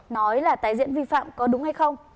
nói là tái diễn vi phạm có đúng hay không